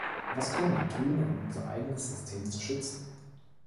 Was können wir tun, um unser eigenes System zu schützen?